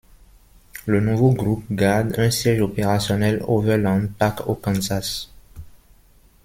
Le nouveau groupe garde un siège opérationnel Overland Park au Kansas.